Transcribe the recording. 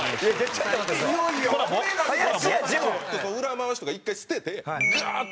裏回しとか１回捨ててガーッとこう。